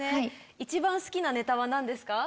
一番好きなネタは何ですか？